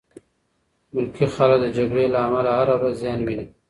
ملکي خلک د جګړې له امله هره ورځ زیان ویني.